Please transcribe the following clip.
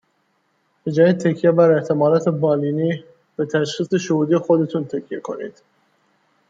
به جای تکیه بر احتمالات بالینی به تشخیص شهودی خودتون تکیه کنید!